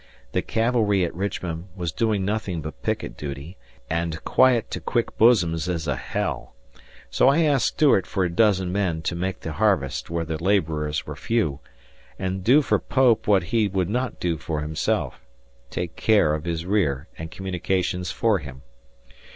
The cavalry at Richmond was doing nothing but picket duty, and "quiet to quick bosoms is a hell." So I asked Stuart for a dozen men to make the harvest where the laborers were few, and do for Pope what he would not do for himself, take care of his rear and communications for him.